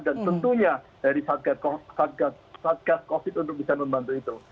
dan tentunya dari satgas covid untuk bisa membantunya